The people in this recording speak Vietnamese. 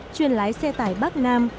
chuyên lái xe tải bắc nam